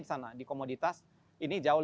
di sana di komoditas ini jauh